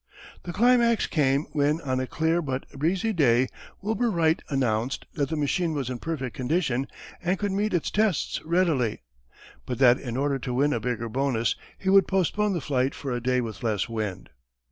The climax came when on a clear but breezy day Wilbur Wright announced that the machine was in perfect condition and could meet its tests readily, but that in order to win a bigger bonus, he would postpone the flight for a day with less wind.